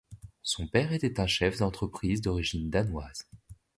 Son père était un chef d'entreprise d'origine danoise.